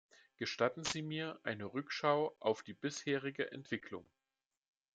Gestatten Sie mir eine Rückschau auf die bisherige Entwicklung.